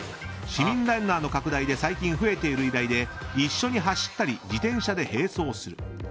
市民ランナーの拡大で最近増えている依頼で一緒に走ったり自転車で並走する。